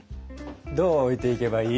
どう置いていけばいい？